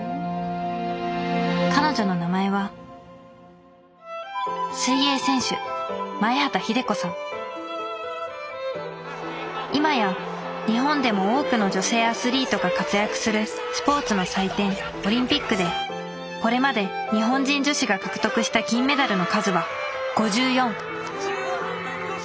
彼女の名前は今や日本でも多くの女性アスリートが活躍するスポーツの祭典オリンピックでこれまで日本人女子が獲得した金メダルの数は５４。